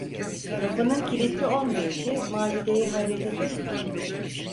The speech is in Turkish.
Kapının kilitli olmayışı Macide’yi hayrete düşürdü.